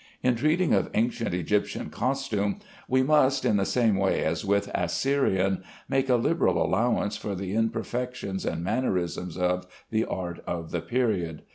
In treating of ancient Egyptian costume we must, in the same way as with Assyrian, make a liberal allowance for the imperfections and mannerisms of the art of the period.